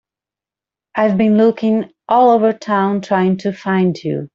I've been looking all over town trying to find you.